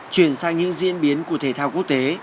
chuyển sang những diễn biến của thể thao quốc tế